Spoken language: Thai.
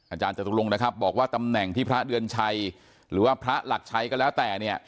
อาจารย์จัตรุรงบอกว่าตำแหน่งที่พระเดือนชัยหรือว่าพระหลักชัยก็แล้วแต่